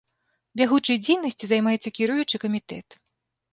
Бягучай дзейнасцю займаецца кіруючы камітэт.